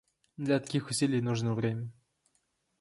Для таких усилий нужно время.